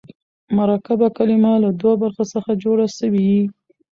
مرکبه کلمه له دوو برخو څخه جوړه سوې يي.